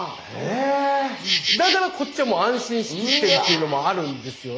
え⁉だからこっちはもう安心しきってっていうのもあるんですよね。